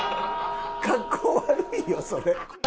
かっこ悪いよそれ。